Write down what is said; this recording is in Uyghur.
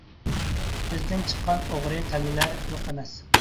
بىزدىن چىققان ئوغرى تەلۋىلەر يوق ئەمەس.